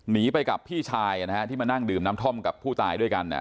หนีไปกับพี่ชายที่มานั่งดื่มน้ำท่อมกับผู้ตายด้วยกัน